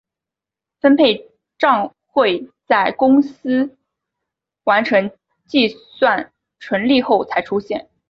分配帐会在公司完成计算纯利后才出现。